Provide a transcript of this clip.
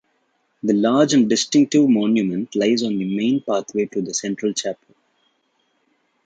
The large and distinctive monument lies on the main pathway to the central chapel.